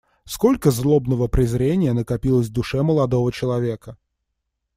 Cтолько злобного презрения накопилось в душе молодого человека.